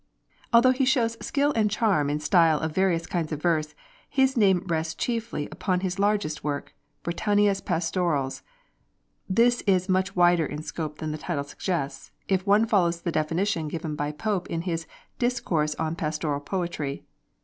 Although he shows skill and charm of style in various kinds of verse, his name rests chiefly upon his largest work, 'Britannia's Pastorals.' This is much wider in scope than the title suggests, if one follows the definition given by Pope in his 'Discourse on Pastoral Poetry.'